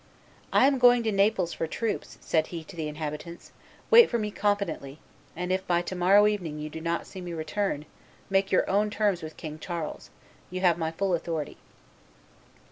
"I am going to Naples for troops," said he to the inhabitants; "wait for me confidently; and if by to morrow evening you do not see me return, make your own terms with King Charles; you have my full authority."